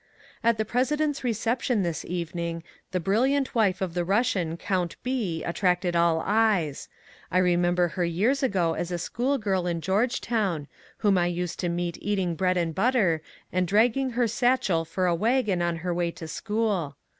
At the President's reception this evening the brilliant wife of the Bussian Count B. attracted all eyes. I remember her years ago as a schoolgirl in Georgetovm whom I used to meet eating bread and butter, and dragging her satchel for a wagon on her way to school.